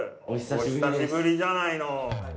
おひさしぶりじゃないの。